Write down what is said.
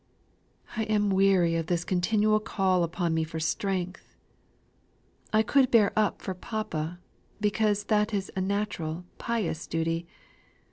I am weary of this continual call upon me for strength. I could bear up for papa; because that is a natural, pious duty.